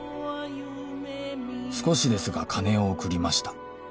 「少しですが金を送りました」